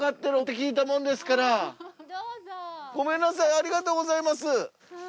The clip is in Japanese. ありがとうございます。